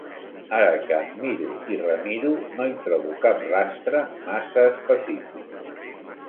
Ara que em miro i remiro, no hi trobo cap rastre massa específic.